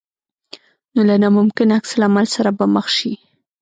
نو له ناممکن عکس العمل سره به مخ شې.